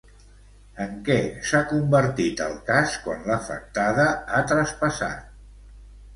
En què s'ha convertit el cas quan l'afectada ha traspassat?